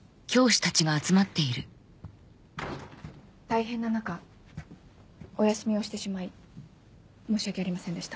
大変な中お休みをしてしまい申し訳ありませんでした。